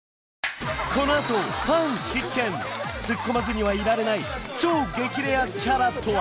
このあとファン必見ツッコまずにはいられない超激レアキャラとは？